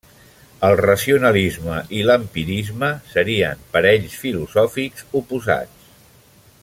El racionalisme i l'empirisme serien parells filosòfics oposats.